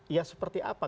ya seperti apa